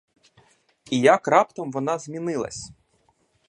І як раптом вона змінилась!